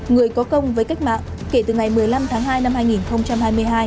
người có công với cách mạng kể từ ngày một mươi năm tháng hai năm hai nghìn hai mươi hai